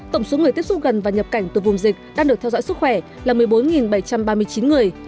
tổng số người tiếp xúc gần và nhập cảnh từ vùng dịch đang được theo dõi sức khỏe là một mươi bốn bảy trăm ba mươi chín người